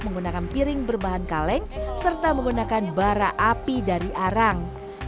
menggunakan piring berbahan kaleng serta menggunakan bara api dari arang